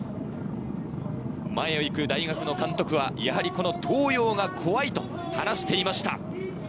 前を行く大学の監督はやはり、この東洋が怖いと話していました。